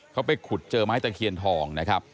เขาไปขุดเจอไม้ตะเคียนทองนะครับ